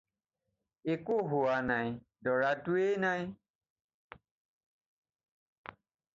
একো হোৱা নাই, দৰাটোৱেই নাই।